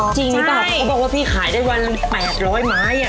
จริงหรือเปล่าเขาบอกว่าพี่ขายได้วันละ๘๐๐ไม้